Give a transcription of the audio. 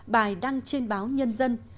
bài đăng trên báo nhân dân